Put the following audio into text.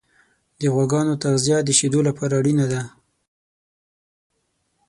د غواګانو تغذیه د شیدو لپاره اړینه ده.